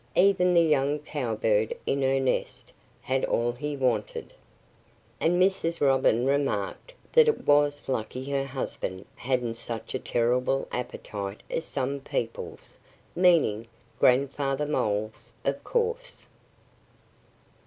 Even the young Cowbird in her nest had all he wanted. And Mrs. Robin remarked that it was lucky her husband hadn't such a terrible appetite as some people's meaning Grandfather Mole's, of course.